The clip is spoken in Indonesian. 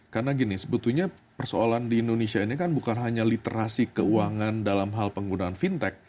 karena gini sebetulnya persoalan di indonesia ini kan bukan hanya literasi keuangan dalam hal penggunaan fintech